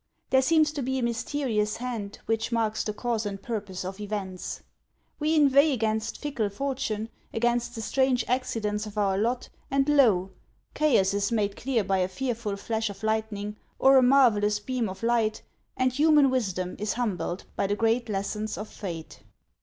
There seems to be a mysterious hand which marks the cause and purpose of events. We in veigh against fickle fortune, against the strange accidents of our lot, and lo ! chaos is made clear by a fearful flash of lightning or a marvellous beam of light, and human wisdom is humbled by the great lessons of fate.